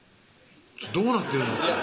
どうなってるんですか？